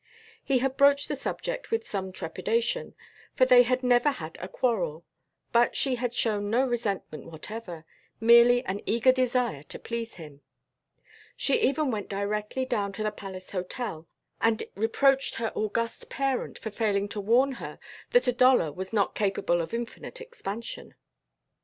He had broached the subject with some trepidation, for they had never had a quarrel; but she had shown no resentment whatever, merely an eager desire to please him. She even went directly down to the Palace Hotel and reproached her august parent for failing to warn her that a dollar was not capable of infinite expansion.